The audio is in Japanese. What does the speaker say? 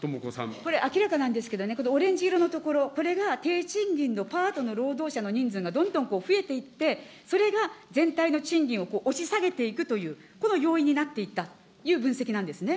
これ、明らかなんですけどね、オレンジ色の所、これが低賃金のパートの労働者の人数がどんどん増えていって、それが全体の賃金を押し下げていくという、この要因になっていったという分析なんですね。